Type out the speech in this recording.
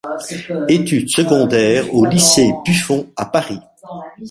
Études secondaires au Lycée Buffon, à Paris.